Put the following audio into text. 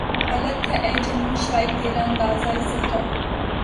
غلط تھا اے جنوں شاید ترا اندازۂ صحرا